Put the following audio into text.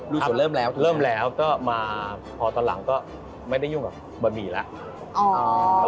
ฝนเริ่มแล้วเริ่มแล้วก็มาพอตอนหลังก็ไม่ได้ยุ่งกับบะหมี่แล้ว